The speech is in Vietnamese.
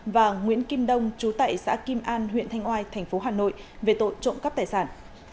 và nguyễn kim đông chú tại xã kim an huyện thanh oai tp hà nội về tội trộm cắp tài sản